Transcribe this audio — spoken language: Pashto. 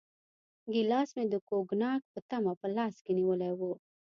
ګیلاس مې د کوګناک په تمه په لاس کې نیولی و.